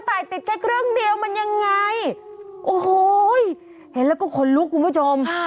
ติดแค่ครึ่งเดียวมันยังไงโอ้โหเห็นแล้วก็ขนลุกคุณผู้ชม